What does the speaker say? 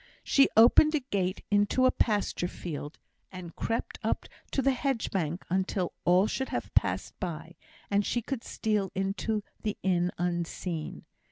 She opened a gate into a pasture field, and crept up to the hedge bank until all should have passed by, and she could steal into the inn unseen.